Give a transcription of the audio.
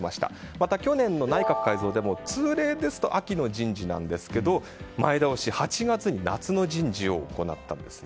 また去年の内閣改造でも通例ですと秋の人事なんですが前倒し、８月に夏の人事を行ったんですね。